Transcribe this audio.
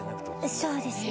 そうですね。